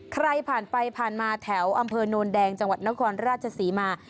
ใครผ่านไปผ่านมาแถวอำเภอโนนแดงจังหวัดนครราชศรีมา